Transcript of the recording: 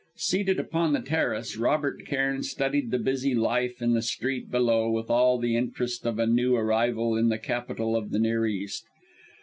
Seated upon the terrace, Robert Cairn studied the busy life in the street below with all the interest of a new arrival in the Capital of the Near East.